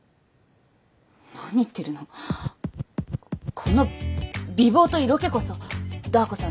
この美貌と色気こそダー子さん